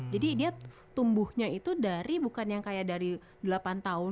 jadi dia tumbuhnya itu dari bukan yang kayak dari delapan tahun